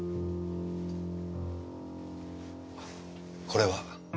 これは？